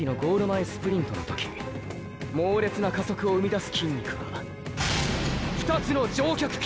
前スプリントの時猛烈な加速を生みだす筋肉は２つの上脚筋！！